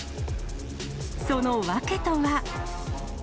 その訳とは。